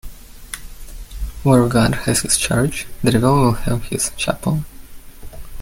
Where God has his church, the devil will have his chapel.